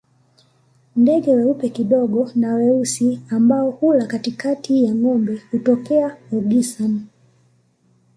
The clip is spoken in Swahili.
Ndege weupe kidogo na weusi ambao hula katikati ya ngombe hutokea Olgisan